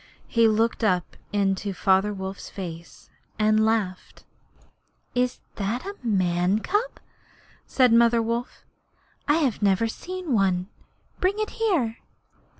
He looked up into Father Wolf's face, and laughed. 'Is that a man's cub?' said Mother Wolf. 'I have never seen one. Bring it here.'